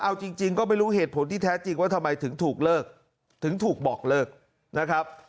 เอาจริงก็ไม่รู้เหตุผลที่แท้จริงว่าทำไมถึงถูกเลิกถึงถูกบอกเลิกนะครับ